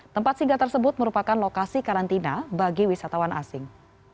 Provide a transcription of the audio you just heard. tempat singgah tersebut merupakan lokasi karantina bagi wisatawan asing